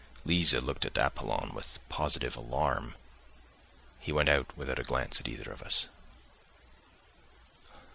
Liza looked at Apollon with positive alarm. He went out without a glance at either of us.